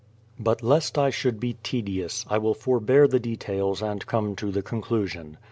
But lest I should be tedious, I will forbear the details and come to the conclusion.